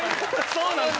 そうなんです。